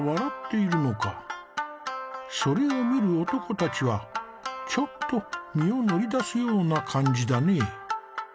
それを見る男たちはちょっと身を乗り出すような感じだね。